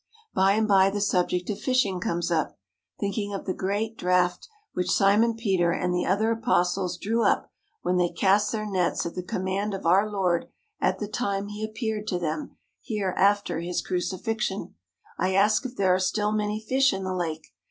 By and by the subject of fishing comes up. Thinking of the great draught which Simon Peter and the other apostles drew up when they cast their nets at the com mand of our Lord at the time He appeared to them here after His crucifixion, I ask if there are still many fish in the lake.